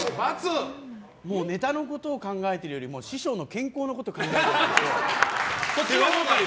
ネタのことを考えているよりも師匠の健康のことを考えてるんですよ。